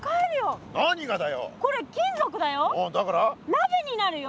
鍋になるよ。